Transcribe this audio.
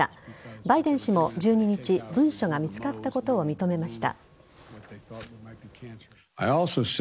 バイデン氏も１２日文書が見つかったことを認めました。